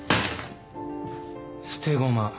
捨て駒。